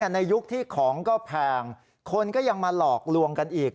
ในยุคที่ของก็แพงคนก็ยังมาหลอกลวงกันอีก